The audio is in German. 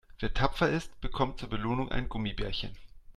Wer tapfer ist, bekommt zur Belohnung ein Gummibärchen.